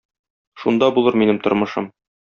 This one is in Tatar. Шунда булыр минем тормышым.